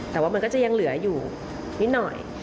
แต่ว่ามันก็จะยังเหลืออยู่นิดหน่อย